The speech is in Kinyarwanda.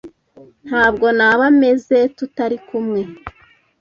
Ntabwo naba meze tutari kumwe.